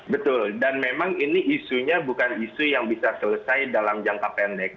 betul dan memang ini isunya bukan isu yang bisa selesai dalam jangka pendek